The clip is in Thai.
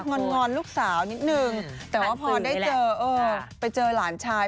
งอนลูกสาวนิดนึงแต่ว่าพอได้เจอเออไปเจอหลานชาย